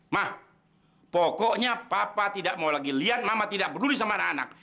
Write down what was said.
mah pokoknya papa tidak mau lagi lihat mama tidak peduli sama anak anak